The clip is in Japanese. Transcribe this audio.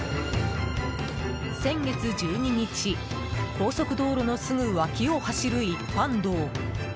先月１２日高速道路のすぐ脇を走る一般道。